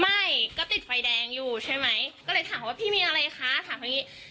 ไม่ก็ติดไฟแดงอยู่ใช่ไหมก็เลยถามว่าพี่มีอะไรคะถามเขาอย่างงี้